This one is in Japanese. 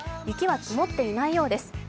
雪は積もっていないようです。